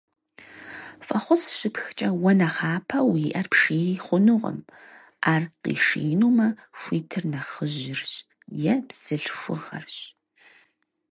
Фӏэхъус щыпхкӏэ уэ нэхъапэ уи ӏэр пший хъунукъым, ӏэр къишиинумэ хуитыр нэхъыжьырщ е бзылъхугъэрщ.